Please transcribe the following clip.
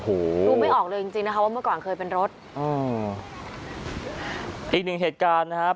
โอ้โหดูไม่ออกเลยจริงจริงนะคะว่าเมื่อก่อนเคยเป็นรถอืมอีกหนึ่งเหตุการณ์นะครับ